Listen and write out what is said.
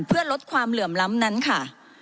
เพื่อลดความเหลื่อมล้ำนั้นค่ะ